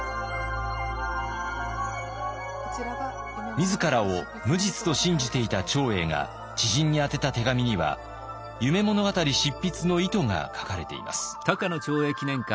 自らを無実と信じていた長英が知人に宛てた手紙には「夢物語」執筆の意図が書かれています。